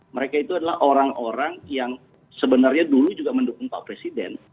mereka itu adalah orang orang yang sebenarnya dulu juga mendukung pak presiden